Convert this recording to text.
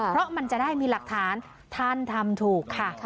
เพราะมันจะได้มีหลักฐานท่านทำถูกค่ะ